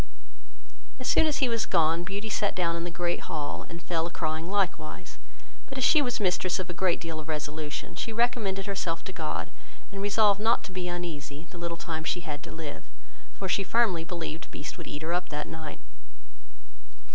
As soon as he was gone, Beauty sat down in the great hall, and fell a crying likewise; but as she was mistress of a great deal of resolution, she recommended herself to God, and resolved not to be uneasy the little time she had to live; for she firmly believed Beast would eat her up that night.